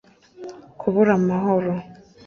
Kubura amahoro